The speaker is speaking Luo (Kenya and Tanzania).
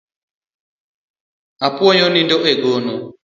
Apuoyo onindo e gono